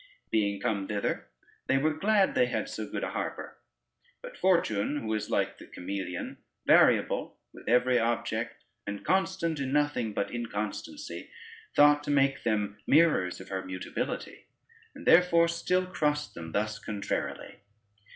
Being come thither, they were glad they had so good a harbor: but fortune, who is like the chameleon, variable with every object, and constant in nothing but inconstancy, thought to make them mirrors of her mutability, and therefore still crossed them thus contrarily.